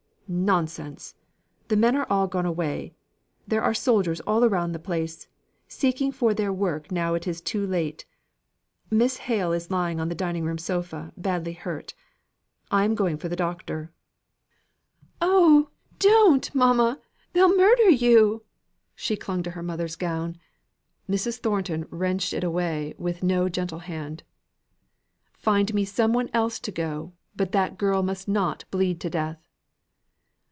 "Nonsense! The men are all gone away. There are soldiers all round the place, seeking for their work now it is too late. Miss Hale is lying on the dining room sofa badly hurt. I am going for the doctor." "Oh! don't, mamma! they'll murder you." She clung to her mother's gown. Mrs. Thornton wrenched it away with no gentle hand. "Find me some one else to go; but that girl must not bleed to death."